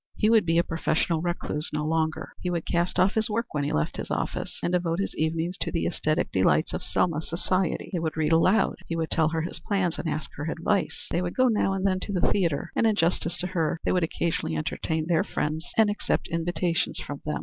He would be a professional recluse no longer. He would cast off his work when he left his office, and devote his evenings to the æsthetic delights of Selma's society. They would read aloud; he would tell her his plans and ask her advice; they would go now and then to the theatre; and, in justice to her, they would occasionally entertain their friends and accept invitations from them.